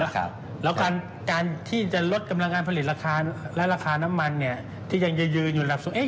ครับแล้วการที่จะลดกำลังการผลิตราคาน้ำมันที่ยังจะยืนอยู่ระดับสูง